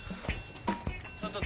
ちょっと！？